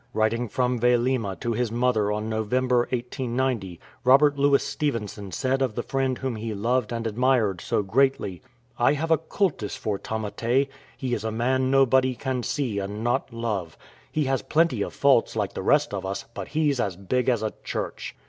Writing from Vailima to his mother in November, 1890, Robert Louis Stevenson said of the friend whom he loved and admired so greatly :" I have a cultus for Tamate ; he is a man nobody can see and not love He has plenty of faults like the rest of us ; but he's as big as a church."